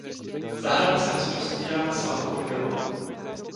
Zahrada se rozprostírá na svahu pod vilou.